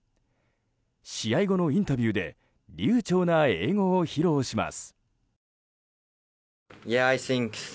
試合後のインタビューで流ちょうな英語を披露します。